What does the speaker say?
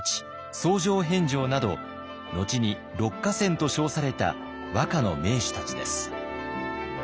僧正遍昭など後に六歌仙と称された和歌の名手たちです。